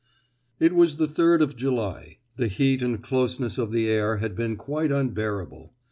It was the third of July. The heat and closeness of the air had become quite unbearable.